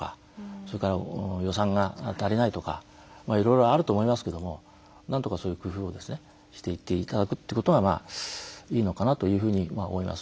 それから予算が足りないとかいろいろあると思いますけどもなんとかそういう工夫をしていっていただくってことがいいのかなというふうに思います。